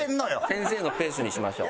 先生のペースにしましょう。